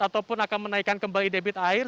ataupun akan menaikkan kembali debit air